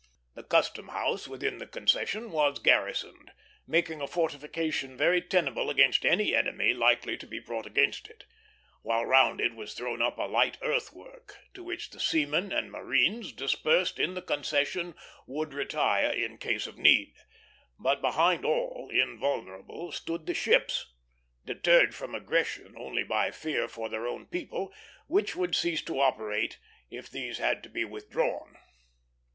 The custom house, within the concession, was garrisoned, making a fortification very tenable against any enemy likely to be brought against it; while round it was thrown up a light earth work, to which the seamen and marines dispersed in the concession could retire in case of need. But behind all, invulnerable, stood the ships, deterred from aggression only by fear for their own people, which would cease to operate if these had to be withdrawn.